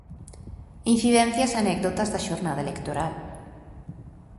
Incidencias e anécdotas da xornada electoral.